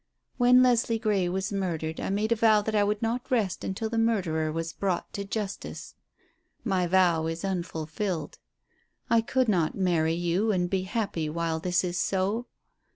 "When Leslie Grey was murdered I made a vow that I would not rest until the murderer was brought to justice. My vow is unfulfilled. I could not marry you and be happy while this is so.